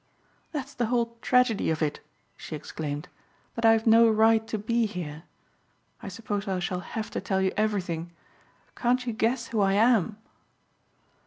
"That's the whole tragedy of it," she exclaimed, "that I've no right to be here. I suppose I shall have to tell you everything. Can't you guess who I am?"